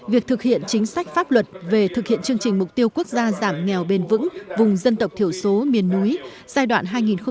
việc thực hiện chính sách pháp luật về thực hiện chương trình mục tiêu quốc gia giảm nghèo bền vững vùng dân tộc thiểu số miền núi giai đoạn hai nghìn một mươi sáu hai nghìn hai mươi